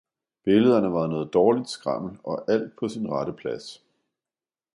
Billederne var noget dårligt skrammel, og alt på sin rette plads!